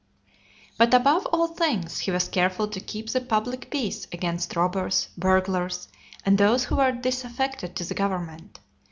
But, above all things, he was careful to keep the (216) public peace against robbers, burglars, and those who were disaffected to the government.